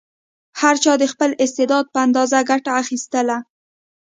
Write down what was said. هر چا د خپل استعداد په اندازه ګټه اخیستله.